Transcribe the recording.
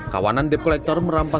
kawanan dep kolektor merampokkan